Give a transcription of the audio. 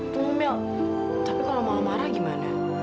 tunggu mel tapi kalau mau marah gimana